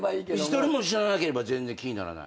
１人も知らなければ全然気にならない。